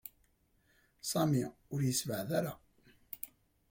Sami ur yessebɛed ara.